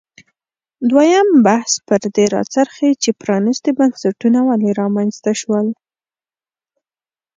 دویم بحث پر دې راڅرخي چې پرانیستي بنسټونه ولې رامنځته شول.